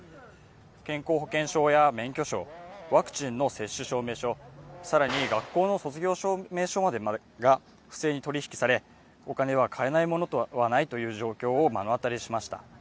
健康保険証や免許証、ワクチンの接種証明書更に学校の卒業証明書までが不正に取り引きされお金で買えないものはないという状況を目の当たりにしました。